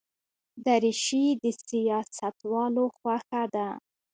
دریشي د سیاستوالو خوښه ده.